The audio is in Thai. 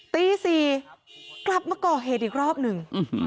ตี๔กลับมาก่อเหตุอีกรอบหนึ่ง